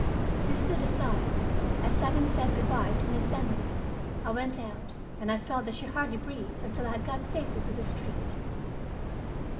She stood aside as, having said good by to Miss Emily, I went out, and I felt that she hardly breathed until I had got safely to the street.